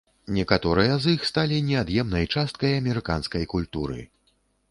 Некаторыя з іх сталі неад'емнай часткай амерыканскай культуры.